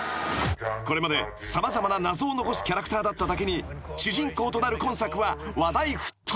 ［これまで様々な謎を残すキャラクターだっただけに主人公となる今作は話題沸騰］